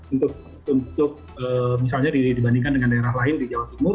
untuk misalnya dibandingkan dengan daerah lain di jawa timur